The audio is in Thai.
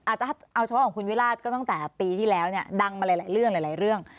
เอาเฉพาะของคุณวิลาศก็ตั้งแต่ปีที่แล้วดังมาหลายเรื่อง